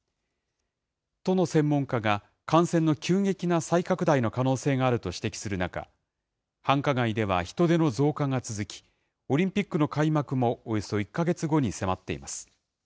都の専門家が感染の急激な再拡大の可能性があると指摘する中、繁華街では人出の増加が続き、オリンピックの開幕もおよそ１か月後に迫っています。